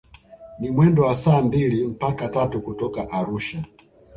Ni mwendo wa saa mbili mpaka tatu kutoka Arusha